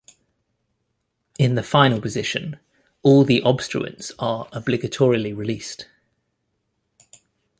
In the final position, all the obstruents are obligatorily released.